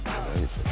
それ。